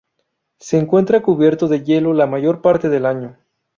Se encuentra cubierto de hielo la mayor parte del año.